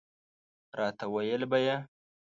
راته ویله به یې.